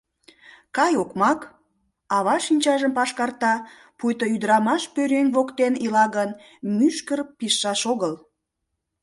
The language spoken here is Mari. — Кай, окмак!.. — ава шинчажым пашкарта, пуйто ӱдырамаш пӧръеҥ воктен ила гын, мӱшкыр пижшаш огыл.